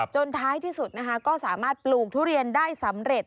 ท้ายที่สุดนะคะก็สามารถปลูกทุเรียนได้สำเร็จ